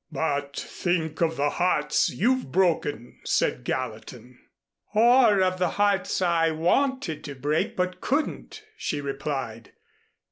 "But think of the hearts you've broken," said Gallatin. "Or of the hearts I wanted to break but couldn't," she replied.